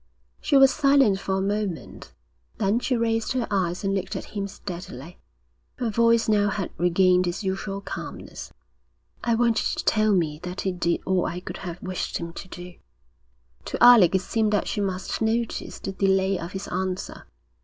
She was silent for a moment. Then she raised her eyes and looked at him steadily. Her voice now had regained its usual calmness. 'I want you to tell me that he did all I could have wished him to do.' To Alec it seemed that she must notice the delay of his answer.